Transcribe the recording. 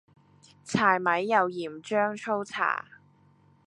柴米油鹽醬醋茶